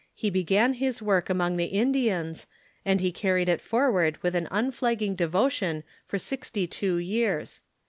In 1'745 he began his work among the Indians, and he carried it forward with an unflagging devotion for sixty two years.